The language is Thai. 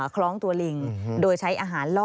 คล้องตัวลิงโดยใช้อาหารล่อ